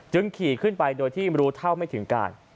ขี่ขึ้นไปโดยที่รู้เท่าไม่ถึงการ